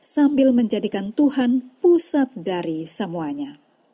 sambil menjadikan tuhan pusat dari semuanya